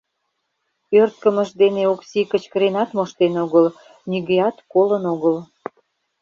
Ӧрткымыж дене Окси кычкыренат моштен огыл, нигӧат колын огыл...